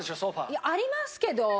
いやありますけど。